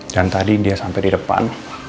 dan tadi dia sampai di depan